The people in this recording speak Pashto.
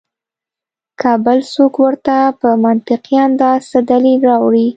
کۀ بل څوک ورته پۀ منطقي انداز څۀ دليل راوړي